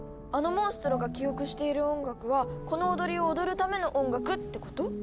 あのモンストロが記憶している音楽はこの踊りを踊るための音楽ってこと？